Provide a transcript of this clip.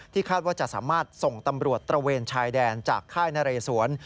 คาดว่าจะสามารถส่งตำรวจตระเวนชายแดนจากค่ายนเรสวน